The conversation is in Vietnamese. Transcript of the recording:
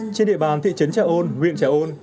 trên địa bàn thị trấn trà ôn huyện trà ôn